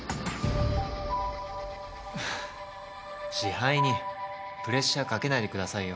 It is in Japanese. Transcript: ふっ支配人プレッシャーかけないでくださいよ。